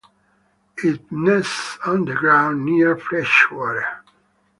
It nests on the ground near freshwater.